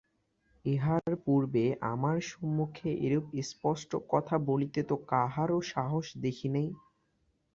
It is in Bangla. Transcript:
ইহার পূর্বে আমার সম্মুখে এরূপ স্পষ্ট কথা বলিতে তো কাহারও সাহস দেখি নাই।